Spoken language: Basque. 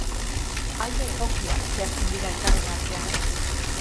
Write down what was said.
Alde egokiak zehazten dira elkarren artean.